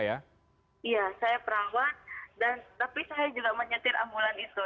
iya saya perawat tapi saya juga menyetir ambulan itu